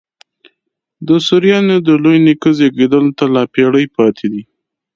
د سوریانو د لوی نیکه زېږېدلو ته لا پېړۍ پاته دي.